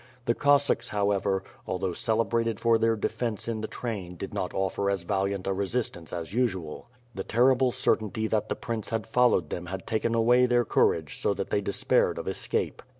The Cossacks, however, although celebrated for their defence in the train did not offer as valiant a resistance as usual. The terrible certainty that the prince had followed 348 W/5rH FIRE AND SWORD. them had taken away their courage so that they despaired of escape.